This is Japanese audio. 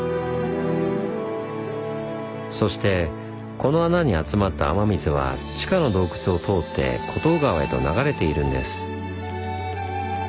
そしてこの穴に集まった雨水は地下の洞窟を通って厚東川へと流れているんです。